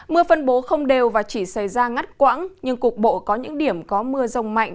mưa phân bố không đều và chỉ xảy ra ngắt quãng nhưng cục bộ có những điểm có mưa rông mạnh